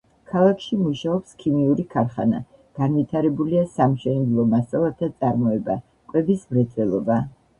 ქალაქში მუშაობს ქიმიური ქარხანა, განვითარებულია სამშენებლო მასალათა წარმოება, კვების მრეწველობა.